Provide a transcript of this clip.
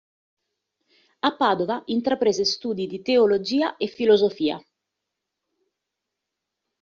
A Padova intraprese studi di teologia e filosofia.